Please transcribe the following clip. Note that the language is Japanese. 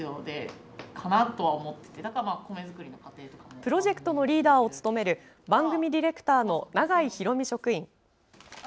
プロジェクトのリーダーを務める番組ディレクターの永井宏美職員。